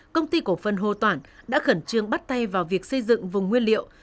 công ty cổ phân hô toản đã khẩn trương bắt tay vào việc xây dựng vùng nguyên liệu